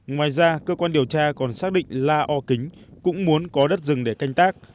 ngoài ra cơ quan điều tra còn xác định la o kính cũng muốn có đất rừng để canh tác